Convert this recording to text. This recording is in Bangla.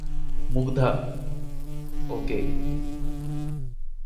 মুগ্ধা, ও কে?